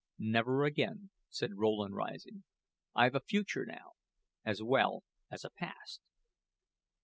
"Never again," said Rowland, rising. "I've a future now, as well as a past."